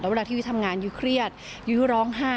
แล้วเวลาที่วิทยุทธิ์ทำงานวิทยุทธิ์เครียดวิทยุทธิ์ร้องไห้